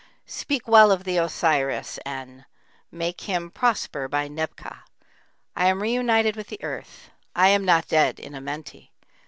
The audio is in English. Speak well of the Osiris N; make him prosper by Nehbka. I am reunited with the earth, I am not dead in Amenti.